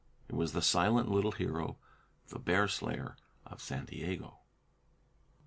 It was the silent little hero, The Bear Slayer of San Diego. XV.